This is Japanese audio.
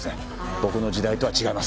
僕の時代とは違います。